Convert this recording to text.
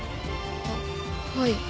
あっはい。